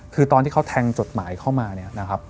คือตอนที่เขาแทงจดหมายเข้ามา